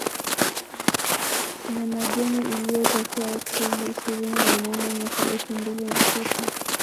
Nyamageni iliyotokea Aprili ishirini na nane mwaka elfu mbili na sita